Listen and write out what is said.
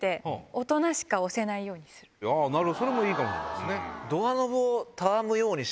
それもいいかもしれないですね。